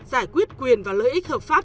giải quyết quyền và lợi ích hợp pháp